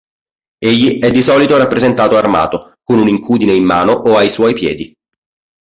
Egli è di solito rappresentato armato, con un'incudine in mano o ai suoi piedi.